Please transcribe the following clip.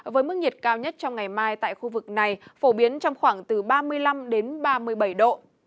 với mức nhiệt cao nhất trong ngày mai tại khu vực này phổ biến trong khoảng từ ba mươi năm đến ba mươi bảy độ